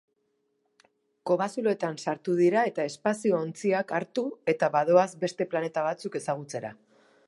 Kobazuloetan sartu dira eta espazio ontziak hartu eta badoaz beste planeta batzuk ezagutzera.